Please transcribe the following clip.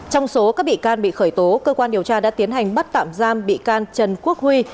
trong số các bị can bị khởi tố cơ quan điều tra đã tiến hành bắt tạm giam bị can trần quốc huy